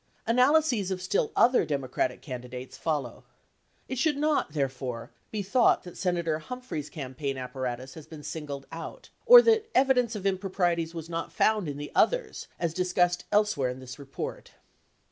Analyses of still other Democratic candi dates follow. It should not, therefore, be thought that Senator Hum phrey's campaign apparatus has been singled out, or that evidence of improprieties was not found in the others, as discussed elsewhere in this report.